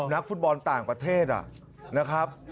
นักฟุตบอลต่างประเทศนะครับ